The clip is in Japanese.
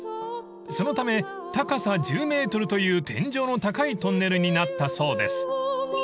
［そのため高さ１０ｍという天井の高いトンネルになったそうです］